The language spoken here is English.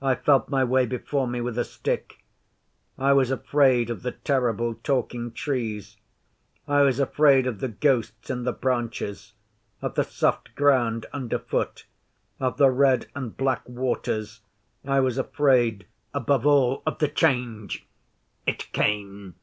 I felt my way before me with a stick. I was afraid of the terrible talking Trees. I was afraid of the ghosts in the branches; of the soft ground underfoot; of the red and black waters. I was afraid, above all, of the Change. It came!